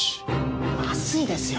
まずいですよ！